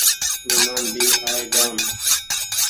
مهمان بي آئي جآم